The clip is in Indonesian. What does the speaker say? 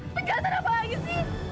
penjahatan apa lagi sih